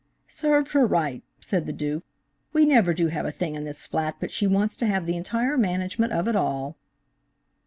"Served her right," said the Duke, "we never do have a thing in this flat but she wants to have the entire management of it all."